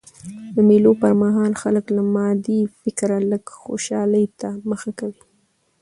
د مېلو پر مهال خلک له مادي فکره لږ خوشحالۍ ته مخه کوي.